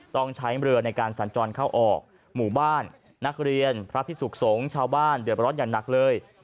ต้องใช้เรือในการสัญจรเข้าออกหมู่บ้านนักเรียนพระพิสุขสงฆ์ชาวบ้านเดือดร้อนอย่างหนักเลย